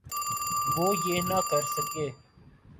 وہ یہ نہ کر سکے۔